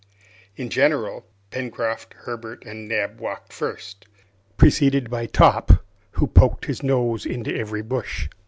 In general, Pencroft, Herbert, and Neb walked first, preceded by Top, who poked his nose into every bush.